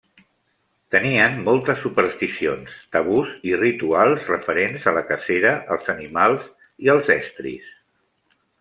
Tenien moltes supersticions, tabús i rituals referents a la cacera, als animals i als estris.